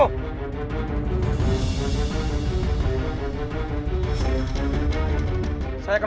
medida saja mereka